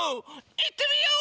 いってみよう！